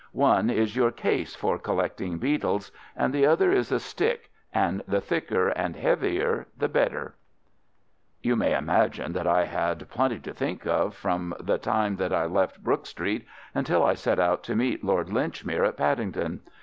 One is your case for collecting beetles, and the other is a stick, and the thicker and heavier the better." You may imagine that I had plenty to think of from the time that I left Brook Street until I set out to meet Lord Linchmere at Paddington.